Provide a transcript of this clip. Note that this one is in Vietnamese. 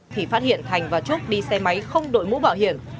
thì phát hiện thành và trúc đi xe máy không đội mũ bảo hiểm